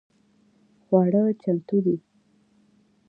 خواړه چمتو دي؟